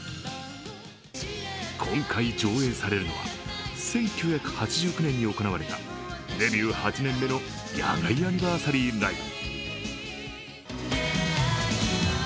今回上映されるのは、１９８９年に行われたデビュー８年目の野外アニバーサリーライブ。